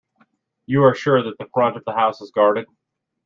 You are sure that the front of the house is guarded?